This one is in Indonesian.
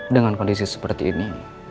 dengan kondisi seperti ini